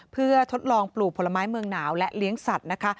เพื่อทดลองปลูกผลไม้เมืองหนาวและเลี้ยงสัตว์นะคะ